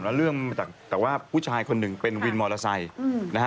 ว่าเรื่องจากผู้ชายคนหนึ่งเป็นวินมอเตอร์ไซค์